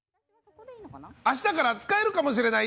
明日から使えるかもしれない！？